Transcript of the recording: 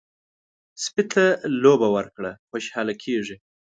سپي ته لوبه ورکړه، خوشحاله کېږي.